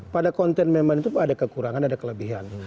pada konten memang itu ada kekurangan ada kelebihan